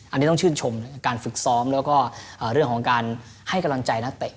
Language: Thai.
อันนี้ต้องชื่นชมการฝึกซ้อมแล้วก็เรื่องของการให้กำลังใจนักเตะ